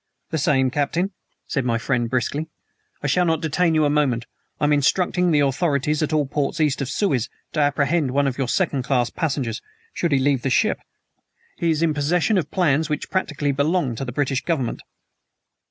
"The same, Captain," said my friend briskly. "I shall not detain you a moment. I am instructing the authorities at all ports east of Suez to apprehend one of your second class passengers, should he leave the ship. He is in possession of plans which practically belong to the British Government!"